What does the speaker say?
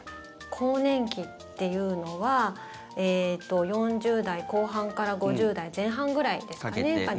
更年期っていうのは４０代後半から５０代前半くらいですかね